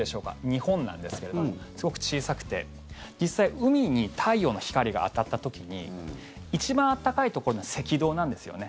日本なんですけれどもすごく小さくて実際海に太陽の光が当たった時に一番暖かいところは赤道なんですよね。